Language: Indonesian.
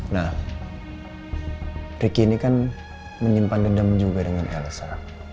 nah riki ini kan menyimpan dendam juga dengan elsa